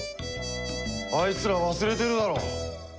あいつら忘れてるだろ。